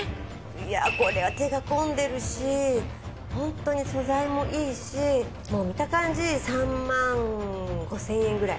いやこれは手が込んでるしホントに素材もいいしもう見た感じ３万５，０００円くらい。